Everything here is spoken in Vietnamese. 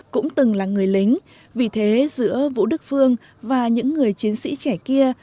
cũng từng là người lính vì thế giữa vũ đức phương và những người chiến sĩ trẻ kia